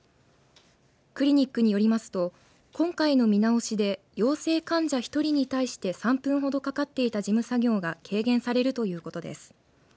クリニックによりますと今回の見直しで陽性患者１人に対して３分ほどかかっていた事務作業が軽減されるということです。